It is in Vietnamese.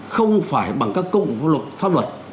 không phải bằng các công pháp luật